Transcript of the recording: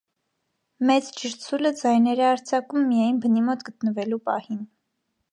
Մեծ ջրցուլը ձայներ է արձակում միայն բնի մոտ գտնվելու պահին։